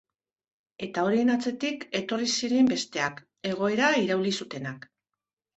Eta horien atzetik etorri ziren besteak, egoera irauli zutenak.